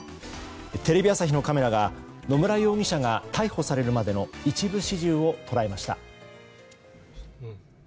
テレビ朝日のカメラが野村容疑者が逮捕されるまでの一部始終を捉えました。